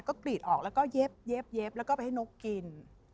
ก็กรีดออกแล้วก็เย็บแล้วก็ไปให้นกกิน